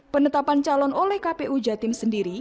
penetapan calon oleh kpu jawa timur sendiri